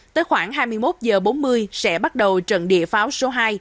tới khoảng hai mươi một h bốn mươi sẽ bắt đầu trận địa pháo số hai